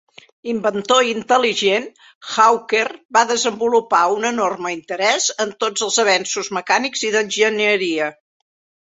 Inventor intel·ligent, Hawker va desenvolupar un enorme interès en tots els avenços mecànics i d'enginyeria.